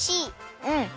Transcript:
うん！